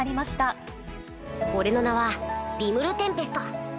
俺の名は、リムル・テンペスト。